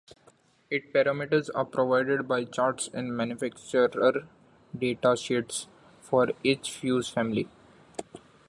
It parameters are provided by charts in manufacturer data sheets for each fuse family.